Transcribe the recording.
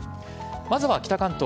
まずは北関東。